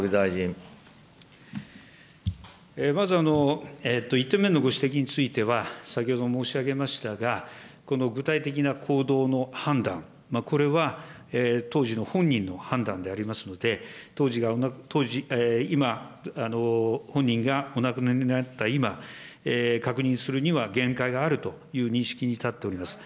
まず１点目のご指摘については、先ほど申し上げましたが、この具体的な行動の判断、これは当時の本人に判断でありますので、当時、今、本人がお亡くなりなった今、確認するには限界があるという認識に至っております。